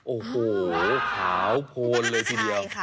โอ้โหขาวโพนเลยทีเดียว